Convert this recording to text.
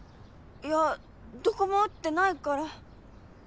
いやどこも打ってないから。